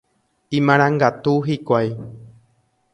Imarangatu hikuái.